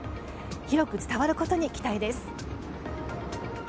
広く伝わることに期待です。